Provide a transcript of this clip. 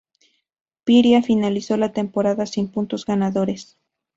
Piria finalizó la temporada sin puntos ganadores.